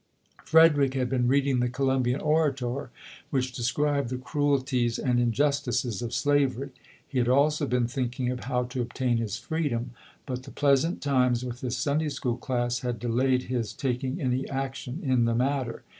Frederick had been reading the "Columbian Orator" which described the cruelties and injus tices of slavery. He had also been thinking of how to obtain his freedom ; but the pleasant times with his Sunday school class had delayed his tak ing any action in the matter.